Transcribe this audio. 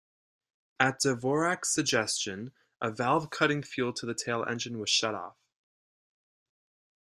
At Dvorak's suggestion, a valve cutting fuel to the tail engine was shut off.